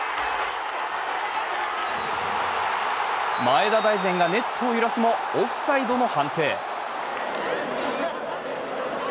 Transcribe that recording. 前田大然がネットを揺らすも、オフサイドの判定。